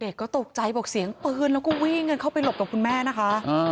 ก็ตกใจบอกเสียงปืนแล้วก็วิ่งกันเข้าไปหลบกับคุณแม่นะคะ